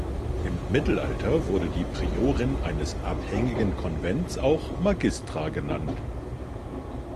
Im Mittelalter wurde die Priorin eines abhängigen Konventes auch „Magistra“ genannt.